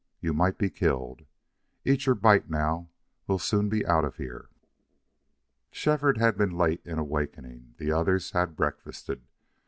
"You might be killed.... Eat your bite now. We'll soon be out of here." Shefford had been late in awakening. The others had breakfasted.